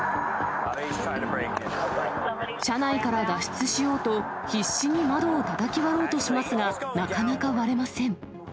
車内から脱出しようと、必死に窓をたたき割ろうとしますが、なかなか割れません。